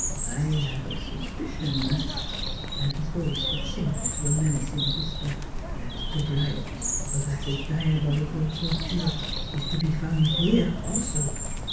I have a sus picion " and his voice would sink to a menacing whisper " that the blight of that di abolical Kultur is to be found here also.